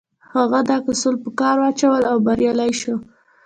هغه دا اصول په کار واچول او بريالی شو.